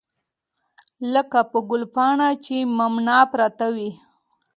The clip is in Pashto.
لکه په ګلپاڼه چې مماڼه پرته وي.